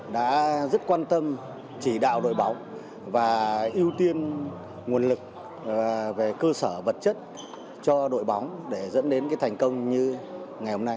đã rất quan tâm chỉ đạo đội bóng và ưu tiên nguồn lực về cơ sở vật chất cho đội bóng để dẫn đến thành công như ngày hôm nay